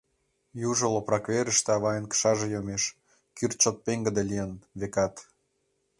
Южо лопрак верыште авайын кышаже йомеш — кӱрт чот пеҥгыде лийын, векат.